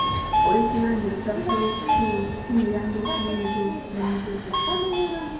Ow'ekibanja okusasula obusuulu kimuyamba okunyweza obusenze bwe.